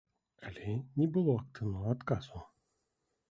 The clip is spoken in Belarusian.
Але не было актыўнага адказу.